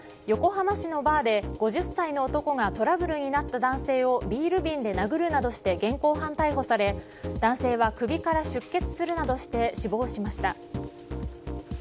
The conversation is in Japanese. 横浜市のバーで５０歳の男がトラブルになった男性をビール瓶で殴るなどして現行犯逮捕され男性は首から出血するなどして死亡しました。